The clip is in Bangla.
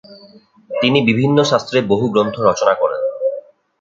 তিনি বিভিন্ন শাস্ত্রে বহু গ্রন্থ রচনা করেন।